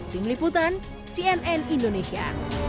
tim liputan cnn indonesia